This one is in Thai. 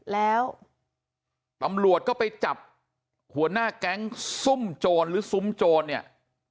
แล้วตำรวจก็ไปจับหัวหน้าแก๊งซุ่มโจรหรือซุ้มโจรเนี่ย